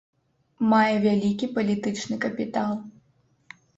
Мае вялікі палітычны капітал.